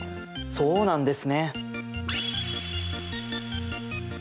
そうなんです。